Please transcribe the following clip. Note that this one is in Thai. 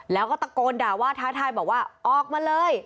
แล้วก็ตะโกนด่าว่าท้าทายบอกว่าออกมาเลย